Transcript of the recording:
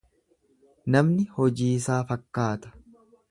Namni hojiisaa fakkaata.